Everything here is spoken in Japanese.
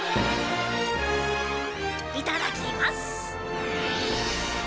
いただきます。